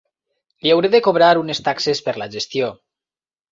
Li hauré de cobrar unes taxes per la gestió.